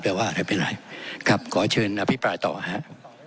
แล้วว่าอาจจะเป็นไรครับขอเชิญอภิกษาต่อครับ